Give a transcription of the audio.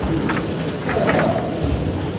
Ur t-tett ara.